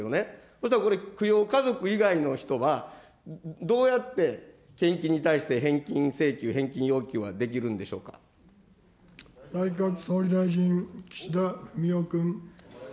そうしたらこれ、扶養家族以外の人はどうやって献金に対して返金請求、内閣総理大臣、岸田文雄君。